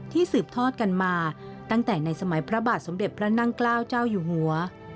สืบทอดกันมาตั้งแต่ในสมัยพระบาทสมเด็จพระนั่งเกล้าเจ้าอยู่หัว